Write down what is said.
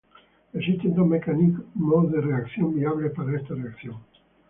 Existen dos mecanismos de reacción viables para esta reacción.